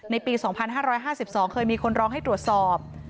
ปี๒๕๕๒เคยมีคนร้องให้ตรวจสอบ